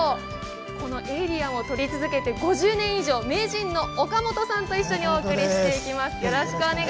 このエイリアンをとり続けて４０年以上、名人の岡本さんと一緒にお送りしていきます。